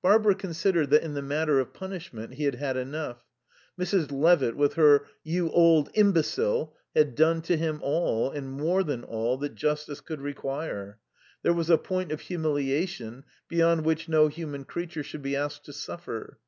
Barbara considered that, in the matter of punishment, he had had enough. Mrs. Levitt, with her "You old imbecile!" had done to him all, and more than all, that justice could require; there was a point of humiliation beyond which no human creature should be asked to suffer.